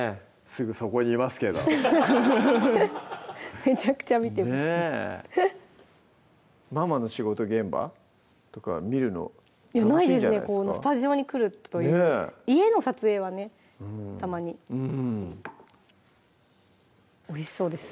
すぐそこにいますけどめちゃくちゃ見てますねママの仕事現場とか見るのいやないですねスタジオに来るという家の撮影はねたまにおいしそうです